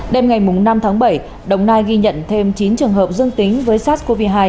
đêm ngày năm tháng bảy đồng nai ghi nhận thêm chín trường hợp dương tính với sars cov hai